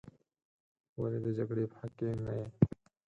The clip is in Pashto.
ولې د جګړې په حق کې نه یې.